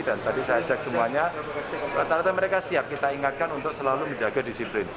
dan tadi saya ajak semuanya ternyata mereka siap kita ingatkan untuk selalu menjaga disiplin